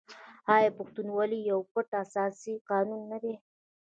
آیا پښتونولي یو پټ اساسي قانون نه دی؟